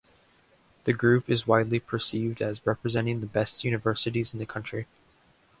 The group is widely perceived as representing the best universities in the country.